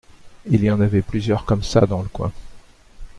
Il y en avait plusieurs comme ça dans le coin.